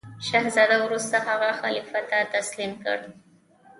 شهزاده وروسته هغه خلیفه ته تسلیم کړ.